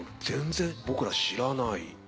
全然僕ら知らない。